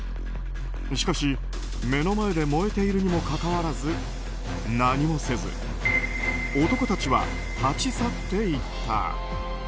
しかし、目の前で燃えているにもかかわらず何もせず男たちは立ち去っていった。